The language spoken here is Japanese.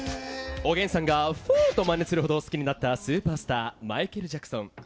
おげんさんが「フォ！」とまねするほど好きになったスーパースターマイケル・ジャクソン！